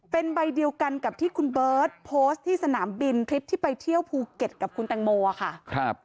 เป็นใบเดียวกันกับที่คุณเบิร์ตโพสต์ที่สนามบินคลิปที่ไปเที่ยวภูเก็ตกับคุณแตงโมค่ะ